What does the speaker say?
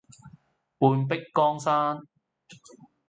半壁江山